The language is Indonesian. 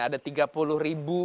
ada tiga puluh burung puyuh